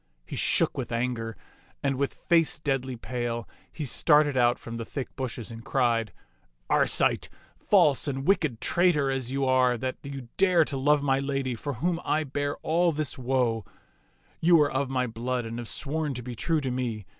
He shook with anger, and with face deadly pale he started out from the thick bushes and cried, " Arcite, false and wicked traitor as you are that you dare to love my lady for whom I bear all this woe, you are of my blood and have sworn to be true to me.